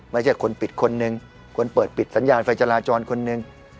ไม่ใช่คนปิดคนหนึ่งคนเปิดปิดสัญญาณไฟจราจรคนหนึ่ง